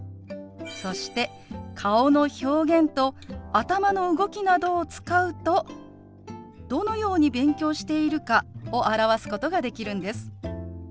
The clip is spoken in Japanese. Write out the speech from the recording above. そして顔の表現と頭の動きなどを使うとどのように勉強しているかを表すことができるんです。